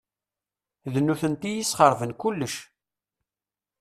D nutenti i yesxeṛben kullec.